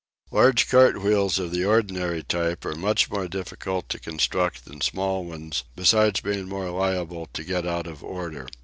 Large cart wheels of the ordinary type are much more difficult to construct than small ones, besides being more liable to get out of order.